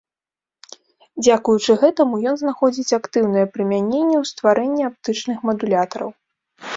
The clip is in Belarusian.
Дзякуючы гэтаму ён знаходзіць актыўнае прымяненне ў стварэнні аптычных мадулятараў.